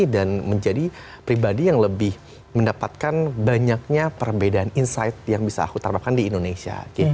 dan menjadi pribadi yang lebih mendapatkan banyaknya perbedaan insight yang bisa aku terapkan di indonesia